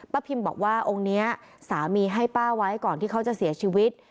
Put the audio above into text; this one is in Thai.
พิมพ์บอกว่าองค์นี้สามีให้ป้าไว้ก่อนที่เขาจะเสียชีวิต